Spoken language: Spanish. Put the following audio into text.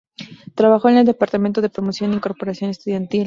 Trabajó en el departamento de promoción e incorporación estudiantil.